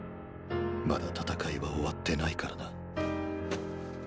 まだ戦いは終わってないからな。